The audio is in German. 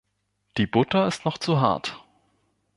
Die Butter ist noch zu hart.